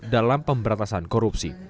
dalam pemberantasan korupsi